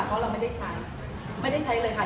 เพราะเราไม่ได้ใช้ไม่ได้ใช้เลยค่ะ